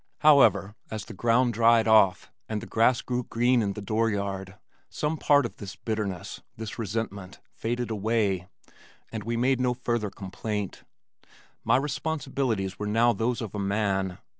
However, as the ground dried off, and the grass grew green in the door yard some part of this bitterness, this resentment, faded away, and we made no further complaint. My responsibilities were now those of a man.